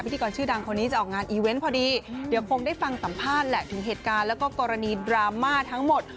พิธีกรชื่อดังคนนี้จะออกงานอีเวนต์พอดีเดี๋ยวคงได้ฟังสัมภาษณ์แหละถึงเหตุการณ์แล้วก็กรณีดราม่าทั้งหมด